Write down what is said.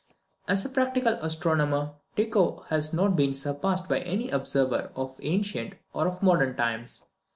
As a practical astronomer, Tycho has not been surpassed by any observer of ancient or of modern times.